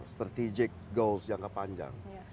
strategic goals jangka panjang